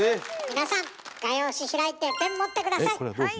画用紙開いてペン持って下さい。